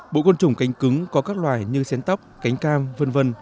bộ côn trùng cánh cứng có các loài như xén tóc cánh cam v v